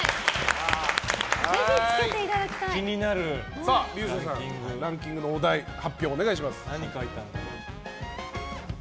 さあ、竜星さんランキングのお題発表をお願いします。